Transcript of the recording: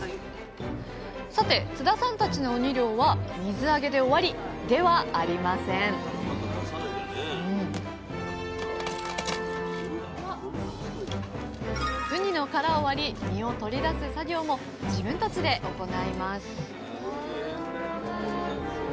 さて津田さんたちのウニ漁は水揚げで終わりではありませんウニの殻を割り身を取り出す作業も自分たちで行います